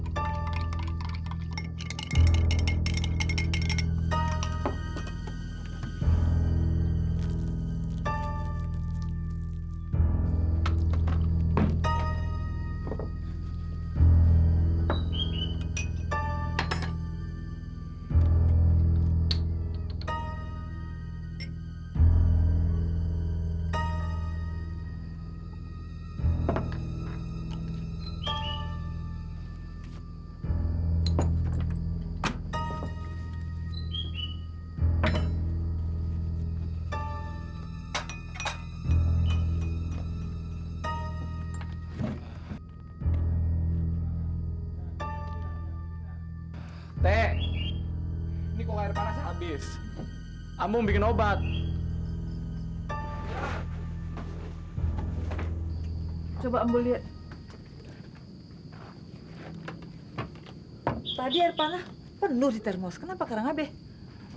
tadi air panas penuh di termos kenapa karang abe